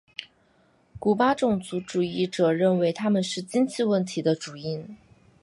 古巴种族主义者认为他们是经济问题的主因。